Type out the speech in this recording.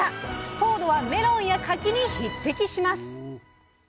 糖度はメロンや柿に匹敵します！